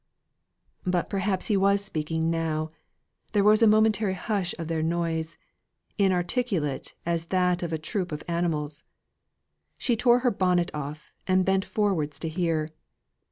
But perhaps he was speaking now; there was a momentary hush of their noise, inarticulate as that of a troop of animals. She tore her bonnet off, and bent forward to hear.